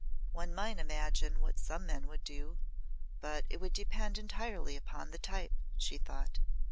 "One might imagine what some men would do but it would depend entirely upon the type," she thought.